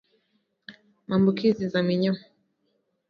Maambukizi ya minyoo